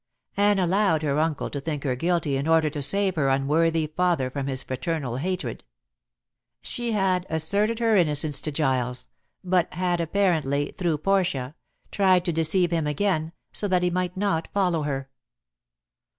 Anne allowed her uncle to think her guilty in order to save her unworthy father from his fraternal hatred. She had asserted her innocence to Giles, but had apparently, through Portia, tried to deceive him again, so that he might not follow her.